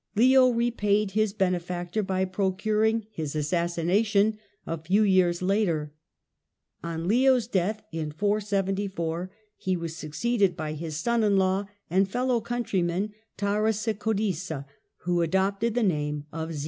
Leo repaid his benefactor by procuring his assassination a few years later. On Leo's death, in 474, he was succeeded by his son in law and fellow countryman Tarasicodissa, who adopted the name of Zeno.